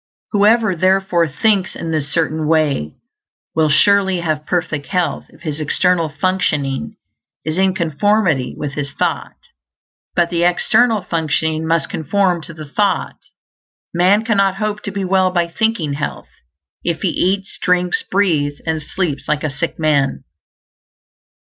Whoever, therefore, thinks in this Certain Way will surely have perfect health if his external functioning is in conformity with his thought. But the external functioning must conform to the thought; man cannot hope to be well by thinking health, if he eats, drinks, breathes, and sleeps like a sick man.